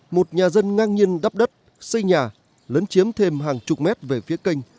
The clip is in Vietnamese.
một nhà dân ngang nhiên đắp đất xây nhà lớn chiếm thêm hàng chục mét về phía canh